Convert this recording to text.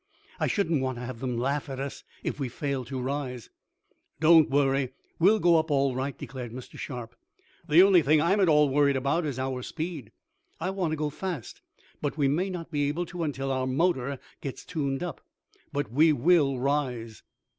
"I shouldn't want to have them laugh at us, if we fail to rise." "Don't worry. We'll go up all right," declared Mr. Sharp. "The only thing I'm at all worried about is our speed. I want to go fast, but we may not be able to until our motor gets 'tuned up'. But we'll rise."